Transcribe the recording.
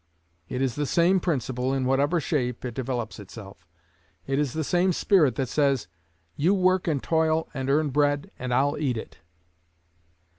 It is the same principle, in whatever shape it develops itself. It is the same spirit that says: 'You work, and toil, and earn bread, and I'll eat it.'